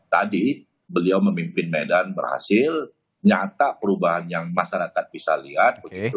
tadi beliau memimpin medan berhasil nyata perubahan yang masyarakat bisa lihat